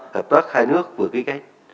hợp tác hai nước vừa ký kết